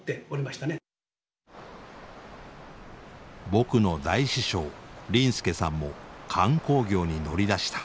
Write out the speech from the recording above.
僕の大師匠林助さんも観光業に乗り出した。